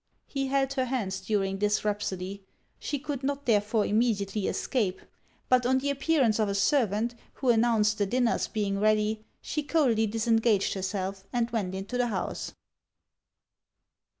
He held her hands during this rhapsody. She could not therefore immediately escape. But on the appearance of a servant, who announced the dinner's being ready, she coldly disengaged herself and went into the house.